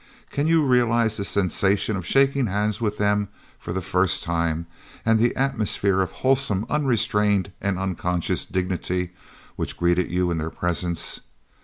Can you realise the sensation of shaking hands with them for the first time and the atmosphere of wholesome unrestraint and unconscious dignity which greeted you in their presence?